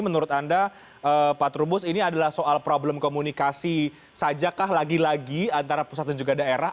menurut anda pak trubus ini adalah soal problem komunikasi saja kah lagi lagi antara pusat dan juga daerah